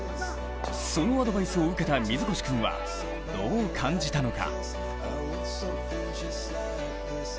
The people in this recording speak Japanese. そのアドバイスを受けた水越君は、どう感じたのか。